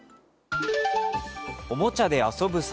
おもちゃで遊ぶ猿。